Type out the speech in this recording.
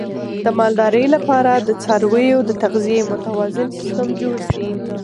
د مالدارۍ لپاره د څارویو د تغذیې متوازن سیستم جوړ شي.